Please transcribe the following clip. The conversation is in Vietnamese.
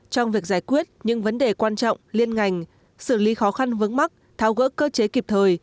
trong việc giải quyết những vấn đề quan trọng liên ngành xử lý khó khăn vững mắc thao gỡ cơ chế kịp thời